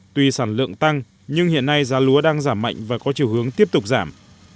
tuy sản lượng tăng nhưng hiện nay giá lúa đang giảm mạnh và có chiều hướng tiếp tục giảm